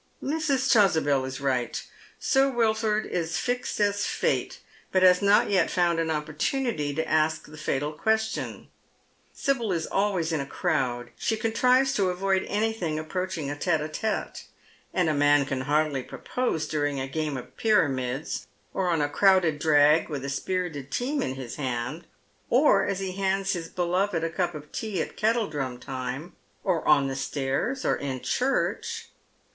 Mrs. Chasubel is right. Sir Wilford is fixed as fate, but baa not yet found an opportunity to ask the fatal question. Sibyl is always in a crowd. She contrives to avoid anything approaching a tete d tete. And a man can hardly propose during a game of pjTamids, or on a crowded drag with a spirited team in his hand, or as he hands his beloved a cup of tea at kettledrum time, or on the stairs, or in church.